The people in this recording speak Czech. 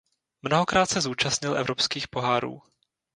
Mnohokrát se zúčastnil evropských pohárů.